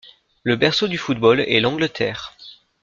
Le berceau du football est l'Angleterre.